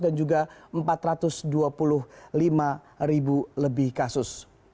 dan juga empat ratus dua puluh lima ribu lebih kasus